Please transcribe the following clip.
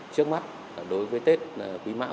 trước mắt đối với tết quý mão